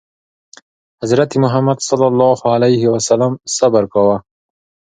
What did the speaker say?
حضرت محمد ﷺ صبر کاوه.